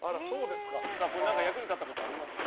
役に立ったことありますか？